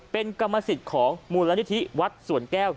เป็นกรรมสิทธิ์ของมูลนิธิวัดสวนแก้ว